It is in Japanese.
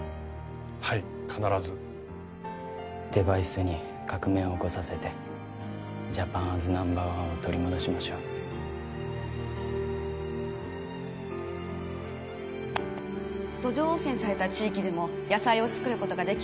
はい必ずデバイスに革命を起こさせてジャパンアズナンバーワンを取り戻しましょう土壌汚染された地域でも野菜を作ることができ